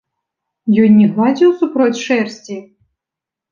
Ён не гладзіў супроць шэрсці?